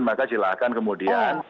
maka silahkan kemudian